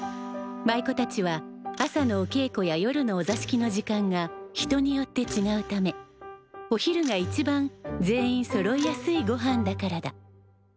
舞妓たちは朝のおけいこや夜のお座敷の時間が人によってちがうためお昼が一番全員そろいやすいごはんだからだ。